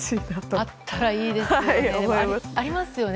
あったらいいですよね。